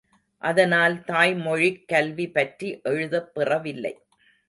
அதனால் தாய்மொழிக் கல்வி பற்றி எழுதப் பெறவில்லை.